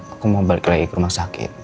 aku mau balik lagi ke rumah sakit